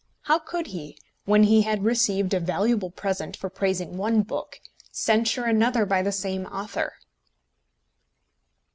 How could he, when he had received a valuable present for praising one book, censure another by the same author?